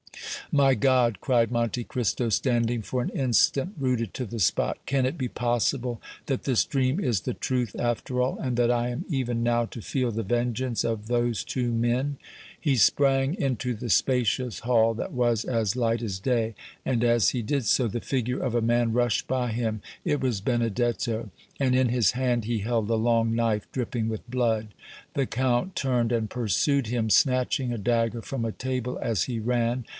"My God!" cried Monte Cristo, standing for an instant rooted to the spot, "can it be possible that this dream is the truth after all, and that I am even now to feel the vengeance of those two men?" He sprang into the spacious hall that was as light as day, and, as he did so, the figure of a man rushed by him it was Benedetto, and in his hand he held a long knife dripping with blood. The Count turned and pursued him, snatching a dagger from a table as he ran.